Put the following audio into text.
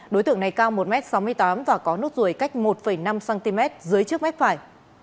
đối tượng này cao một m sáu mươi tám và có nốt ruồi cách một năm cm dưới trước mép phải